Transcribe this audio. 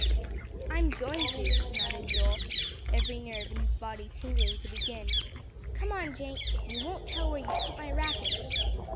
"I'm going to," nodded Joel, every nerve in his body tingling to begin. "Come on, Jenk, if you won't tell where you've put my racket."